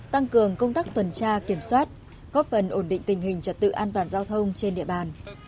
tăng cường công tác tuần tra kiểm soát góp phần ổn định tình hình trật tự an toàn giao thông trên địa bàn